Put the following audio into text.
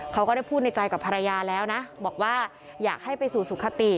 ก็ได้พูดในใจกับภรรยาแล้วนะบอกว่าอยากให้ไปสู่สุขติ